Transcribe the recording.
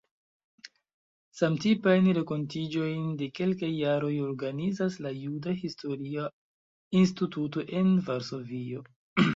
Samtipajn renkontiĝojn de kelkaj jaroj organizas la Juda Historia Instituto en Varsovio.